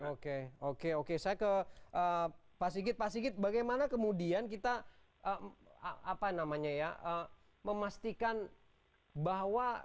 oke oke oke saya ke pak sigit pak sigit bagaimana kemudian kita memastikan bahwa